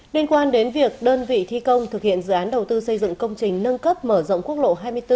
liên quan đến việc đơn vị thi công thực hiện dự án đầu tư xây dựng công trình nâng cấp mở rộng quốc lộ hai mươi bốn